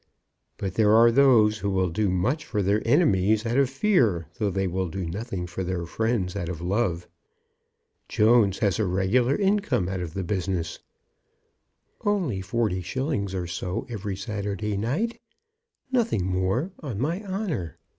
"But there are those who will do much for their enemies out of fear, though they will do nothing for their friends out of love. Jones has a regular income out of the business." "Only forty shillings or so on every Saturday night; nothing more, on my honour.